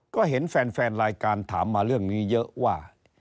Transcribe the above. ก็เห็นแฟนรายการถามมาเรื่องนี้เยอะว่า